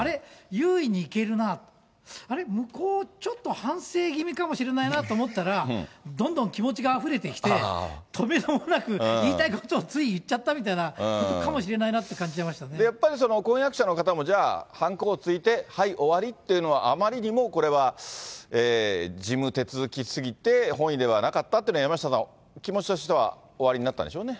優位にいけるな、あれっ、向こう、ちょっと反省気味かもしれないなと思ったら、どんどん気持ちがあふれてきて、とめどもなく言いたいことをつい言っちゃったみたいなことかもしやっぱり婚約者の方も、じゃあ、はんこをついて、はい、終わりというのは、あまりにもこれは事務手続きすぎて、本意ではなかったというのは、山下さん、気持ちとしてはおありになったんでしょうね。